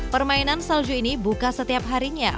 permainan salju ini buka setiap harinya